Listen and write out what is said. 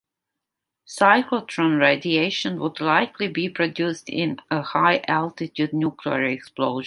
Cyclotron radiation would likely be produced in a high altitude nuclear explosion.